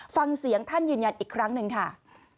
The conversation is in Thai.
ฟังเสียงท่านยืนยันอีกครั้งหนึ่งค่ะ